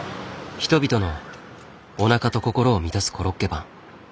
人々のおなかと心を満たすコロッケパン。